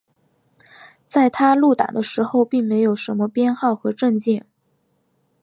在他入党的时候并没有什么编号和证件。